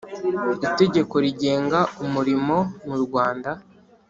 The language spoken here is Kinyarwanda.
Itegeko rigenga umurimo mu Rwanda